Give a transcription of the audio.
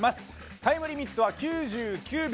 タイムリミットは９９秒。